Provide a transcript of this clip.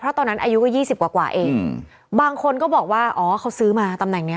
ตอนนั้นอายุก็ยี่สิบกว่ากว่าเองบางคนก็บอกว่าอ๋อเขาซื้อมาตำแหน่งเนี้ย